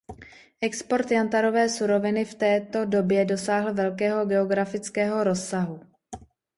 Export jantarové suroviny v této době dosáhl velkého geografického rozsahu.